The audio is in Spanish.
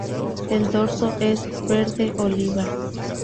El dorso es verde oliva.